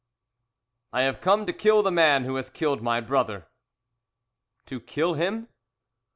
"I have come to kill the man who has killed my brother." "To kill him?"